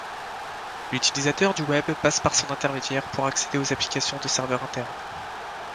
L'utilisateur du Web passe par son intermédiaire pour accéder aux applications de serveurs internes.